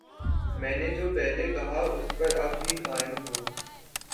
میں نے جو پہلے کہا ،اس پر اب بھی قائم ہوں